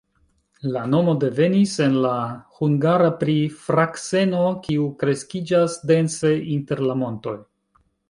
La nomo devenis en la hungara pri frakseno, kiu kreskiĝas dense inter la montoj.